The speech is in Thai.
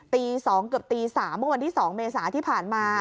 ตี๒เกือบตี๓เมื่อวันที่๒เมษาที่ผ่านมา